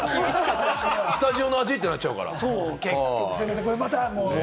スタジオの味ってなっちゃうから。